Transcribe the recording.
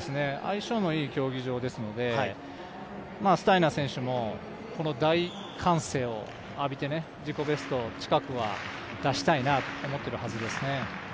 相性のいい競技場ですので、スタイナー選手も、この大歓声を浴びて、自己ベスト近くは出したいなと思っているはずですね。